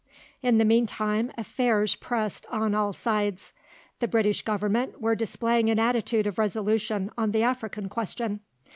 In the meantime affairs pressed on all sides. The British Government were displaying an attitude of resolution on the African Question.